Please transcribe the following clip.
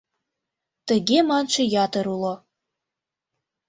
Тыге манше ятыр уло.